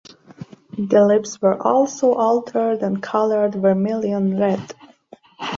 The lips were also altered and coloured vermillion red.